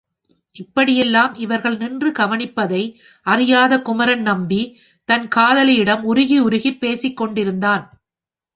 இப்படியெல்லாம் இவர்கள் நின்று கவனிப்பதை அறியாத குமரன் நம்பி தன் காதலியிடம் உருகி உருகிப் பேசிக் கொண்டிருந்தான்.